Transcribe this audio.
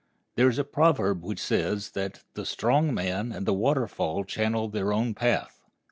There is a proverb which says that "the strong man and the waterfall channel their own path."